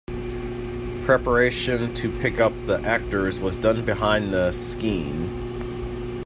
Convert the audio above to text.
Preparation to pick up the actors was done behind the "skene".